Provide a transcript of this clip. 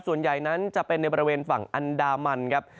ส่วนใหญ่นั้นจะเป็นในบริเวณฝั่งอันดามันครับ